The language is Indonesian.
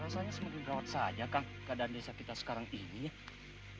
rasanya semakin rawat saja kang keadaan desa kita sekarang ini ya